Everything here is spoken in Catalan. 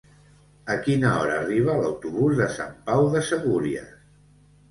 A quina hora arriba l'autobús de Sant Pau de Segúries?